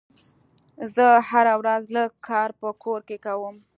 زه هره ورځ لږ کار په کور کې کوم.